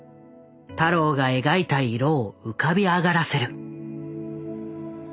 太郎が描いた色を浮かび上がらせる。